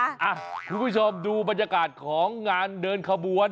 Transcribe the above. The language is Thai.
คุณผู้ชมดูบรรยากาศของงานเดินขบวน